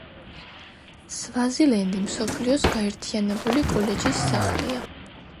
სვაზილენდი მსოფლიოს გაერთიანებული კოლეჯის სახლია.